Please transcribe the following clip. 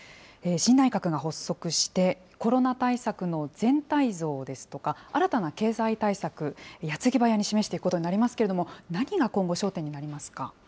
新内閣が発足して、コロナ対策の全体像ですとか、新たな経済対策、やつぎばやに示していくことになりますけれども、何が今後、焦点になりますか。